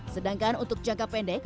sedangkan untuk jangka pendek